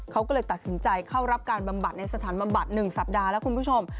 เขาก็เลยตัดสินใจเข้ารับการบำบัดในสถานบำบัด๑สัปดาห์แล้วคุณผู้ชม